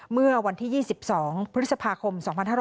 เมื่อวันที่๒๒พฤษภาคม๒๕๕๙